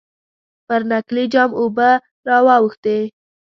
پر نکلي جام اوبه را واوښتې.